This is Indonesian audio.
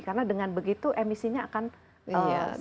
karena dengan begitu emisinya akan bisa turun